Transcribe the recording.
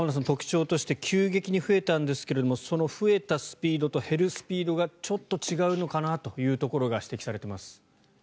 特徴として急激に増えたんですがその増えたスピードと減るスピードがちょっと違うのかなというところが指摘されています。